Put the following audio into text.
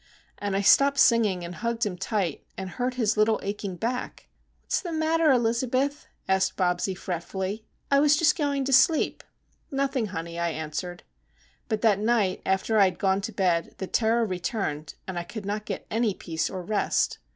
And I stopped singing, and hugged him tight, and hurt his little, aching back! "What's the matter, Elizabeth?" asked Bobsie, fretfully. "I was just going to sleep." "Nothing, honey," I answered. But that night after I had gone to bed the terror returned, and I could not get any peace or rest.